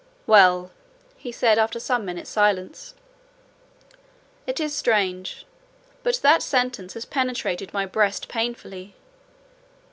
"Well," he said, after some minutes' silence, "it is strange; but that sentence has penetrated my breast painfully.